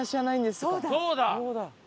そうだ！